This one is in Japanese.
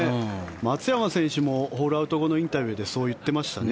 松山選手もホールアウト後のインタビューでそういっていましたね。